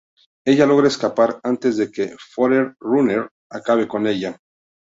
Ella logra escapar antes de que Forerunner acabe con ella.